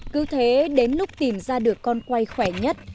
cứ thế đến lúc tìm ra được con quay khỏe nhất